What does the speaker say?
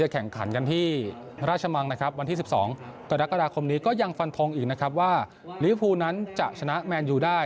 และการต่อสมัยผมไม่รู้แต่ผมหวังว่าเราจะเก็บ